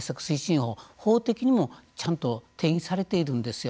法法的にちゃんと定義されているんですよ。